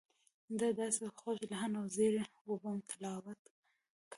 ده داسې خوږ لحن او زیر و بم تلاوت کاوه.